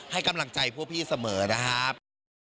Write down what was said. ให้กำลังใจพวกพี่เสมอนะครับ